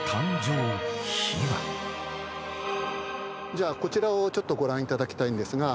じゃあこちらをちょっとご覧いただきたいんですが。